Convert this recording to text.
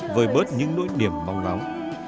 với bớt những nỗi niềm vong lão